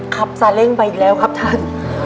ขับซาเร้งไปอีกแล้วครับท่าน